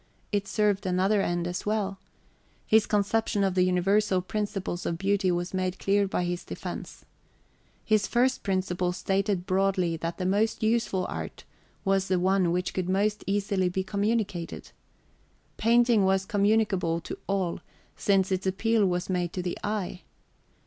It served another end as well. His conception of the universal principles of beauty was made clear by this defence. His first principle stated broadly that the most useful art was the one which could most easily be communicated. {xvii} Painting was communicable to all since its appeal was made to the eye.